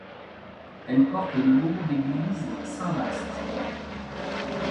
Elle porte le nom d'église Saint-Vaast.